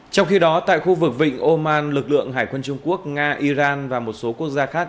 trong khi đó tại khu vực vịnh oman lực lượng hải quân trung quốc nga iran và một số quốc gia khác